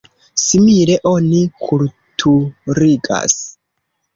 Simile oni kulturigas.